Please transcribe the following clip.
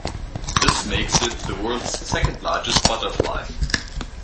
This makes it the world's second largest butterfly.